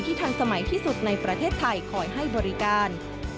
ทันสมัยที่สุดในประเทศไทยคอยให้บริการ